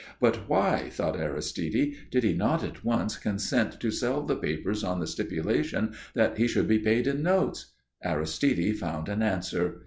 But why, thought Aristide, did he not at once consent to sell the papers on the stipulation that he should be paid in notes? Aristide found an answer.